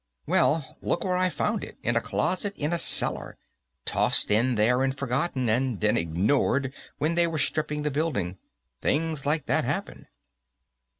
"Well, look where I found it; in a closet in a cellar. Tossed in there and forgotten, and then ignored when they were stripping the building. Things like that happen."